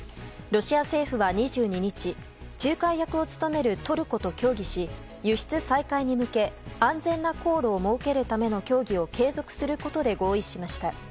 ロシア政府は２２日仲介役を務めるトルコと協議し輸出再開に向け安全な航路を設けるための協議を継続することで合意しました。